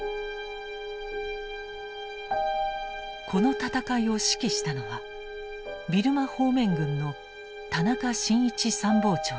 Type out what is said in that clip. この戦いを指揮したのはビルマ方面軍の田中新一参謀長である。